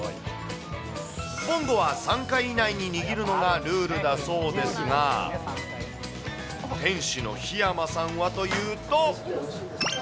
ぼんごは３回以内に握るのがルールだそうですが、店主の樋山さんはというと。